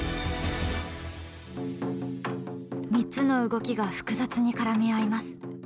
３つの動きが複雑に絡み合います。